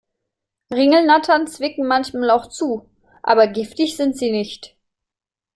Ringelnattern zwicken manchmal auch zu, aber giftig sind sie nicht.